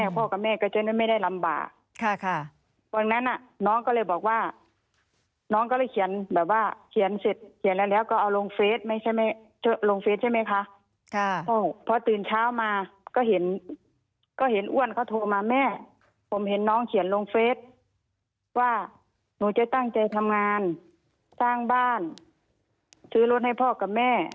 ไปตั้งใจทำงานสร้างบ้านซื้อรถให้พ่อกับแม่